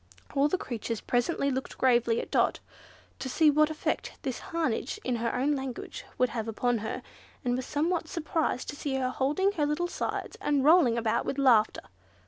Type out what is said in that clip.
All the creatures present looked gravely at Dot, to see what effect this harangue in her own language would have upon her, and were somewhat surprised to see her holding her little sides, and rolling about with laughter.